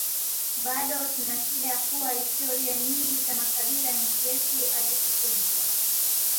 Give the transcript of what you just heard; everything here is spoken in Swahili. Bado tunashida ya kuwa historia nyingi za makabila ya nchi yetu hazikutunzwa